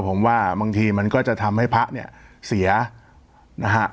ผมว่าบางทีมันก็จะทำให้พระเนี่ยเสียนะฮะ